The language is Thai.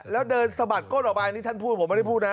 แล้วเดินสะบัดก้นออกไปนี่ท่านพูดผมไม่ได้พูดนะ